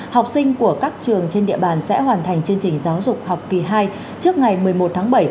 học sinh của các trường trên địa bàn sẽ hoàn thành chương trình giáo dục học kỳ hai trước ngày một mươi một tháng bảy